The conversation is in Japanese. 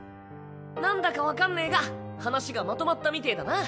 なんだか分かんねぇが話がまとまったみてぇだな。